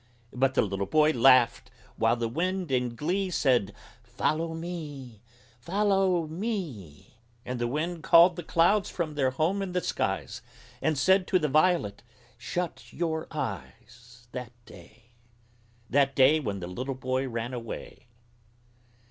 But the little boy laughed, while the Wind in glee Said: "Follow me follow me!" And the Wind called the clouds from their home in the skies And said to the Violet: "Shut your eyes!" That day that day When the little boy ran away.